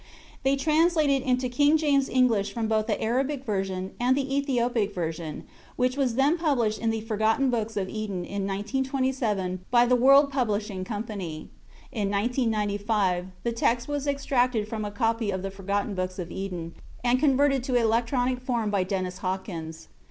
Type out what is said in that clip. They translated into King James English from both the Arabic version and the Ethiopic version which was then published in The Forgotten Books of Eden in 1927 by The World Publishing Company. In 1995, the text was extracted from a copy of The Forgotten Books of Eden and converted to electronic form by Dennis Hawkins.